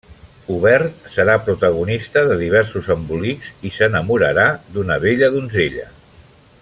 Hubert serà protagonista de diversos embolics i s'enamorarà d'una bella donzella.